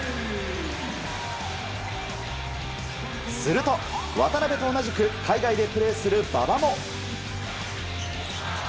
すると、渡邊と同じく海外でプレーする馬場も。